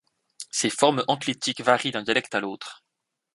Ces formes enclitiques varient d’un dialecte à l’autre.